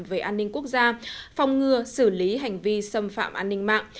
về an ninh quốc gia phòng ngừa xử lý hành vi xâm phạm an ninh mạng